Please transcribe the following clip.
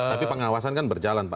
tapi pengawasan kan berjalan pak